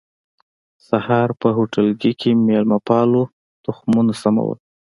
سهار په هوټلګي کې مېلمه پالو تختونه سمول.